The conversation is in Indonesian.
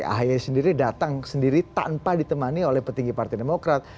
ahaya sendiri datang sendiri tanpa ditemani oleh petinggi partai demokrat